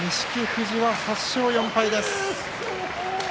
富士は８勝４敗です。